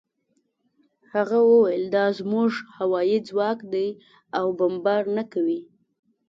هغه وویل دا زموږ هوايي ځواک دی او بمبار نه کوي